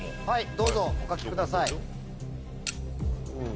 どうぞお書きください。